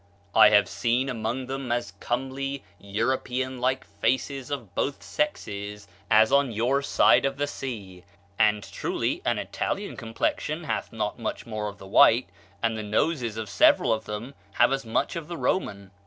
I have seen among them as comely European like faces of both sexes as on your side of the sea; and truly an Italian complexion hath not much more of the white, and the noses of several of them have as much of the Roman....